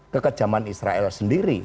kekejaman israel sendiri